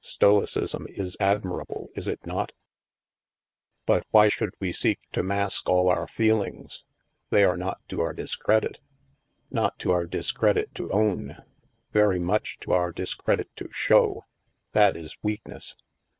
Stoi cism is admirable, is it not ?"" But why should we seek to mask all our feelings ? They are not to our discredit." " Not to our discredit to own. ' Very much to our discredit to show. That is weakness.